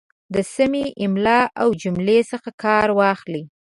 د سمې املا او جملې څخه کار واخلئ